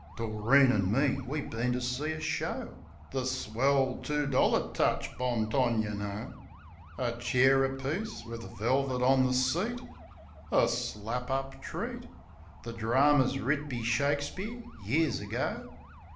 Doreen an' me, we bin to see a show — The swell two dollar touch. Bong tong, yeh know. A chair apiece wiv velvit on the seat; A slap up treat. The drarmer's writ be Shakespeare, years ago.